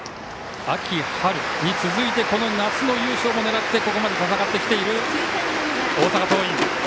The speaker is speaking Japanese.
秋、春に続いてこの夏の優勝も狙ってここまで戦ってきている大阪桐蔭。